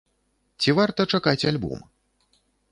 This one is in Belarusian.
Ці варта чакаць альбом?